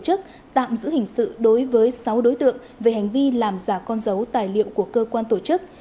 tổ chức tạm giữ hình sự đối với sáu đối tượng về hành vi làm giả con dấu tài liệu của cơ quan tổ chức